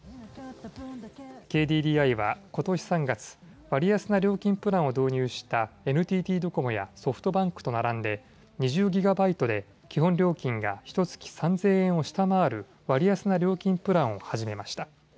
ＫＤＤＩはことし３月、割安な料金プランを導入したＮＴＴドコモやソフトバンクと並んで２０ギガバイトで基本料金がひとつき３０００円を下回る割安な料金プランを始めました。